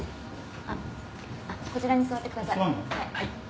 こちらに座ってください。